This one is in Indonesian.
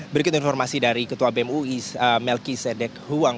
berikut informasi dari ketua bmui melki sedek huang